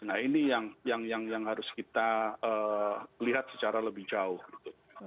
nah ini yang harus kita lihat secara lebih jauh gitu